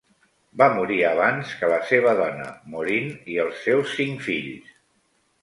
Va morir abans que la seva dona, Maureen, i els seus cinc fills.